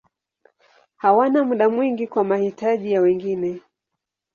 Hawana muda mwingi kwa mahitaji ya wengine.